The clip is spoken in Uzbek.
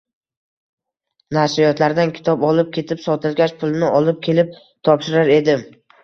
Nashriyotlardan kitob olib ketib, sotilgach, pulini olib kelib topshirar edim.